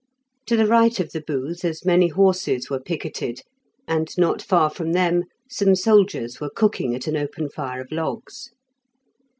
To the right of the booth as many horses were picketed, and not far from them some soldiers were cooking at an open fire of logs.